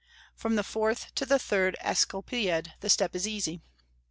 From the fourth to the third Asclepiad the step is easy.